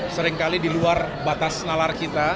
seringkali di luar batas nalar kita